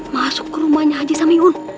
masuk ke rumahnya aja sama iun